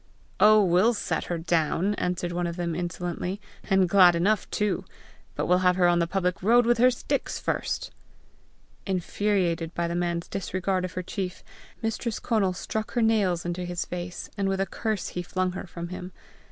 "Oh, we'll set her down," answered one of them insolently, " and glad enough too! but we'll have her on the public road with her sticks first!" Infuriated by the man's disregard of her chief, Mistress Conal struck her nails into his face, and with a curse he flung her from him.